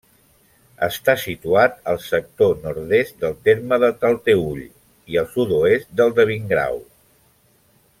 Està situat al sector nord-est del terme de Talteüll i al sud-oest del de Vingrau.